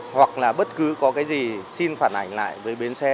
hoặc là bất cứ có cái gì xin phản ảnh lại với bến xe